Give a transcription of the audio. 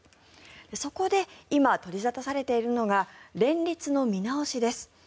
そこで今取り沙汰されているのが連立の見直しです。